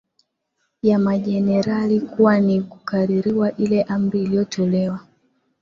ya majenerali kuwa ni kukaririwa ile amri iliotolewa